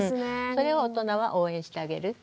それを大人は応援してあげる。